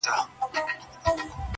• بس وینا کوه د خدای لپاره سپینه..